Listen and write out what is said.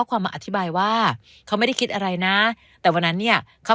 ความมาอธิบายว่าเขาไม่ได้คิดอะไรนะแต่วันนั้นเนี่ยเขา